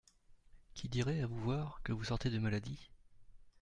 Qui dirait, à vous voir, que vous sortez de maladie ?